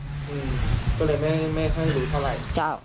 อืมก็เลยแม่ไม่ให้รู้เท่าไหร่จ้าว